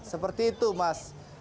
seperti itu mas